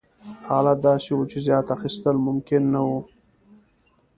حالت داسې و چې زیات اخیستل ممکن نه وو.